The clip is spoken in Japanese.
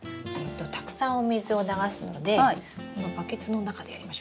たくさんお水を流すのでこのバケツの中でやりましょう。